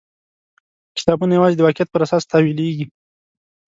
کتابونه یوازې د واقعیت پر اساس تاویلېږي.